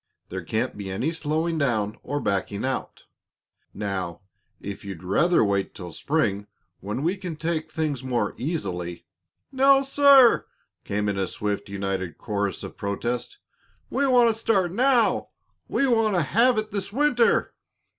There can't be any slowing down or backing out. Now, if you'd rather wait till spring, when we can take things more easily " "No, sir!" came in a swift, united chorus of protest. "We want to start now. We want to have it this winter."